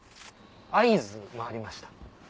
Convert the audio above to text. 会津回りました。